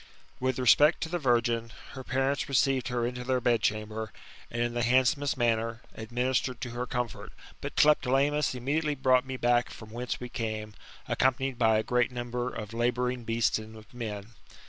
With respect to the virgm, her parents teceived her into their bedchamber, and, in the handsomest manner, administered to her comfort; but Tlepolemus immedi Sitely brought me back from whence we came, accompanied by a great number of labouring beasts and of men.